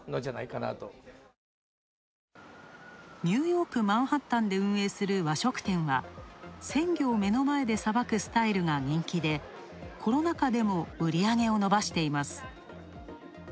ニューヨーク、マンハッタンで運営する和食店は鮮魚を目の前でさばくスタイルが人気で、コロナ禍でも売り上げを伸ばしています。